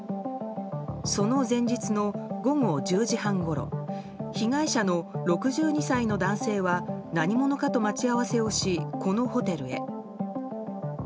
その前日の午後１０時半ごろ被害者の６２歳の男性は何者かと待ち合わせをしこのホテルへ。